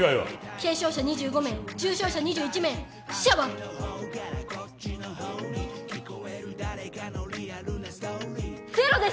軽傷者２５名重傷者２１名死者はゼロです！